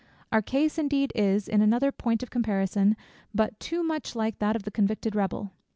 Our case indeed is, in another point of comparison, but too much like that of the convicted rebel.